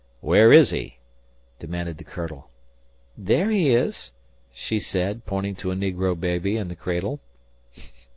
"Where is he?" demanded the Colonel. "There he is," she said, pointing to a negro baby in the cradle.